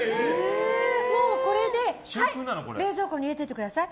もうこれで、はい、冷蔵庫に入れておいてください。